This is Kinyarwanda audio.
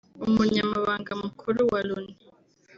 Umunyamabanga mukuru wa Loni